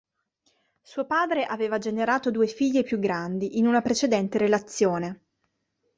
Suo padre aveva generato due figlie più grandi in una precedente relazione.